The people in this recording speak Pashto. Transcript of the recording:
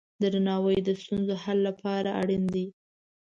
درناوی د ستونزو حل لپاره اړین دی.